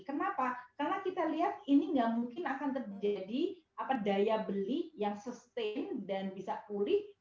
kenapa karena kita lihat ini nggak mungkin akan terjadi daya beli yang sustain dan bisa pulih